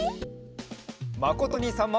まことおにいさんも！